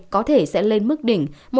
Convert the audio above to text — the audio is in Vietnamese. có thể sẽ lên mức đỉnh